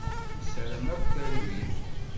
Nessaram akk talwit.